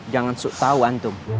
jangan suka tahu antum